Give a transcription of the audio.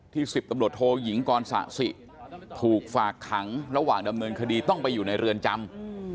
๑๐ตำรวจโทยิงกรสะสิถูกฝากขังระหว่างดำเนินคดีต้องไปอยู่ในเรือนจำ